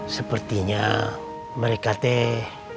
sepertinya mereka teh